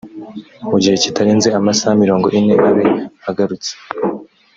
mu gihe kitarenze amasaha mirongo ine abe agarutse